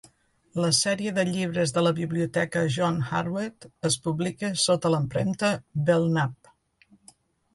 La sèrie de llibres de la Biblioteca John Harvard es publica sota l'empremta Belknap.